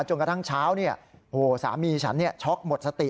จนกระทั่งเช้าสามีฉันช็อกหมดสติ